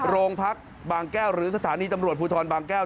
โรงพักบางแก้วหรือสถานีตำรวจภูทรบางแก้ว